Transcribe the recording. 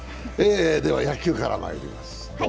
野球からまいります。